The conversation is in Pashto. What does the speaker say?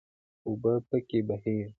اوبه پکې بهیږي.